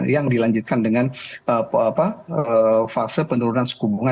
yang dilanjutkan dengan fase penurunan suku bunga